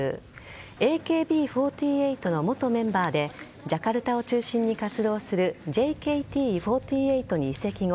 ＡＫＢ４８の元メンバーでジャカルタを中心に活動するＪＫＴ４８に移籍後